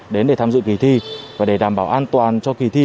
đến để tham dự kỳ thi và để đảm bảo an toàn cho kỳ thi